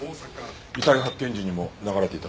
遺体発見時にも流れていたそうだ。